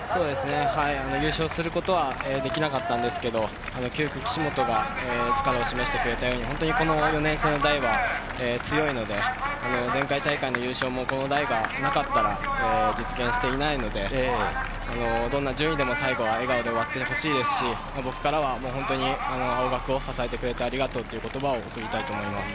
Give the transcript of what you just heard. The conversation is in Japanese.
優勝することはできなかったんですけれど、９区・岸本が力を示してくれて４年生の代は強いので前回大会の優勝も、この代がなかったら実現していないのでどんな順位でも最後は笑顔で終わってほしいですし、僕からは本当に青学を支えてくれてありがとうという言葉を贈りたいと思います。